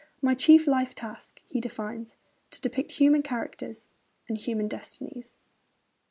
'My chief life task,' he defines: 'to depict human characters and human destinies.'